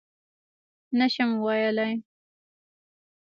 _نه شم ويلای.